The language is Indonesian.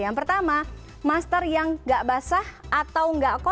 yang pertama masker yang nggak basah atau nggak kokoh